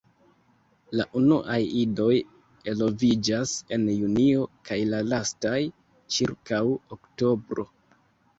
La unuaj idoj eloviĝas en Junio kaj la lastaj ĉirkaŭ Oktobro.